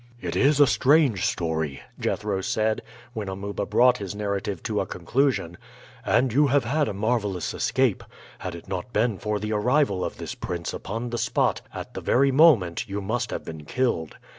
"It is a strange story," Jethro said when Amuba brought his narrative to a conclusion, "and you have had a marvelous escape. Had it not been for the arrival of this prince upon the spot at the very moment you must have been killed.